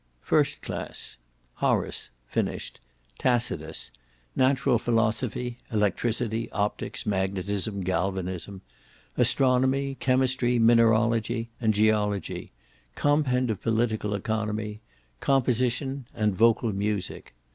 First Class Horace, (finished); Tacitus; Natural Philosophy, (Electricity, Optics, Magnetism, Galvanism); Astronomy, Chemistry, Mineralogy, and Geology; Compend of Political Economy; Composition, and Vocal Music.